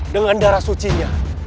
dengan darah sucinya